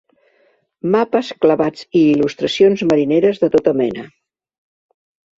Mapes clavats i il·lustracions marineres de tota mena.